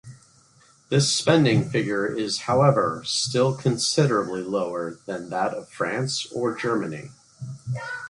This spending figure is however still considerably lower than that of France or Germany.